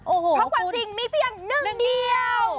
โอ้โหคุณถ้าความจริงมีเพียงนึงเดียว